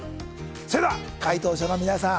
それでは解答者の皆さん